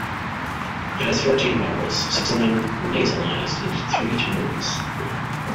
It has fourteen vowels, six of them nasalized, and three tones.